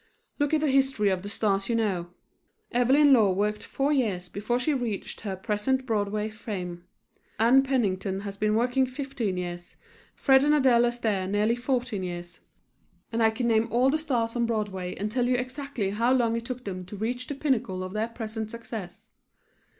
Look at the history of the stars you know. Evelyn Law worked four years before she reached her present Broadway fame. Ann Pennington has been working fifteen years, Fred and Adele Astaire nearly fourteen years and I can name all the stars on Broadway and tell you exactly how long it took them to reach the pinnacle of their present success.